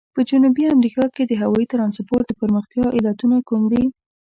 په جنوبي امریکا کې د هوایي ترانسپورت د پرمختیا علتونه کوم دي؟